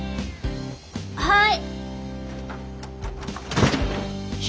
はい。